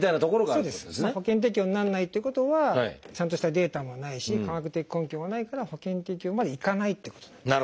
保険適用にならないということはちゃんとしたデータもないし科学的根拠がないから保険適用までいかないってことなんですね。